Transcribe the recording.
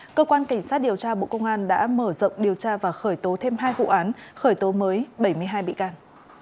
cơ quan cảnh sát điều tra bộ công an đã mở rộng điều tra và khởi tố thêm hai vụ án khởi tố mới bảy mươi hai bị can